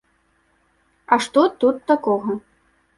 А што тут такога?